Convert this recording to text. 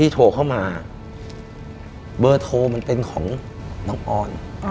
โทรเข้ามาเบอร์โทรมันเป็นของน้องออน